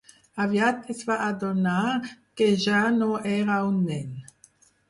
Aviat es va adonar que ja no era un nen.